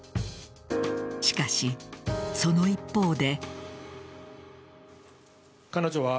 しかし、その一方で。